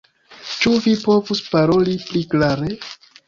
Ĉu vi povus paroli pli klare?